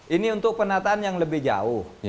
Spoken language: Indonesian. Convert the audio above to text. ini untuk penataan yang lebih jauh